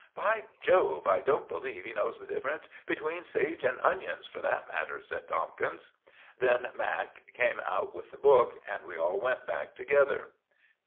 "By Jove, I don't believe he knows the difference between sage and onions, for that matter!" said Tomkins. Then Mac. came out with the book, and we all went back together.